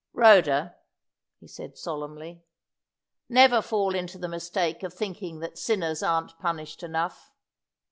"Rhoda," he said, solemnly, "never fall into the mistake of thinking that sinners aren't punished enough.